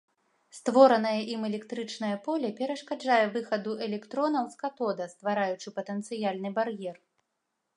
Створанае ім электрычнае поле перашкаджае выхаду электронаў з катода, ствараючы патэнцыяльны бар'ер.